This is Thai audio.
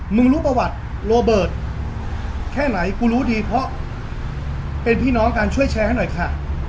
มึงรู้ประวัติแค่ไหนกูรู้ดีเพราะเป็นพี่น้องการช่วยแชร์ให้หน่อยค่ะ